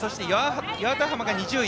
八幡浜が２０位。